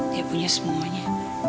dia punya semuanya